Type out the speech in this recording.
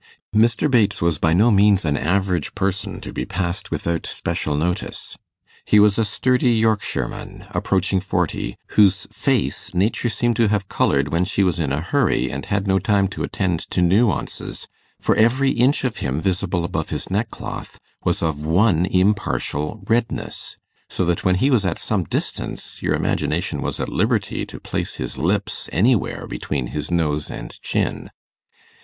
Mr. Bates was by no means an average person, to be passed without special notice. He was a sturdy Yorkshireman, approaching forty, whose face Nature seemed to have coloured when she was in a hurry, and had no time to attend to nuances, for every inch of him visible above his neckcloth was of one impartial redness; so that when he was at some distance your imagination was at liberty to place his lips anywhere between his nose and chin.